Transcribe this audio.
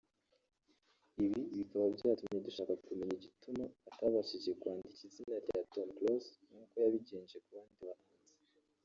Ibi bikaba byatumye dushaka kumenya igituma atabashije kwandika izina rya Tom Close nk’uko yabigenje ku bandi bahanzi